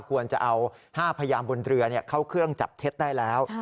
ควรจะเอา๕พยานบนเรือเข้าเครื่องจับเท็จได้แล้ว